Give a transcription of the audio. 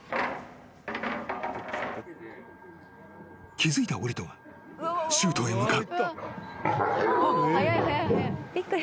［気付いたオリトがシュートへ向かう］